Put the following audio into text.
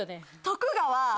徳川。